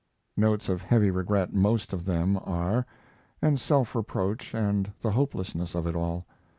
Notes of heavy regret most of them are, and self reproach and the hopelessness of it all.